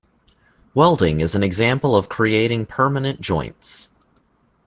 Welding is an example of creating permanent joints.